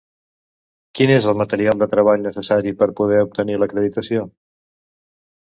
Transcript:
Quin és el material de treball necessari per poder obtenir l'acreditació?